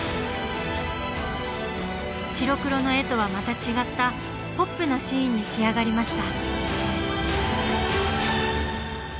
白黒の絵とはまた違ったポップなシーンに仕上がりました。